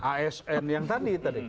asn yang tadi